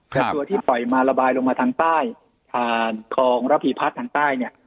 แต่ตัวที่ปล่อยมาระบายลงมาทางใต้ผ่านคลองระพีพัฒน์ทางใต้เนี่ย